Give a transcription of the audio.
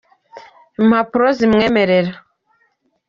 impapuro zimwemerera.